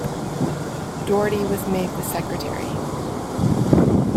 Doherty was made the Secretary.